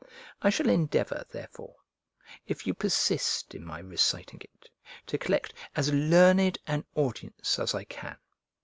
I shall endeavour, therefore, if you persist in my reciting it, to collect as learned an audience as I can.